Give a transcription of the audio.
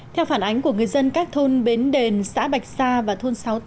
theo phản ánh của người dân các thôn bến đền xã bạch sa và thôn sáu tám